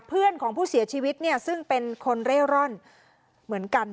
เพื่อนของผู้เสียชีวิตเนี่ยซึ่งเป็นคนเร่ร่อนเหมือนกัน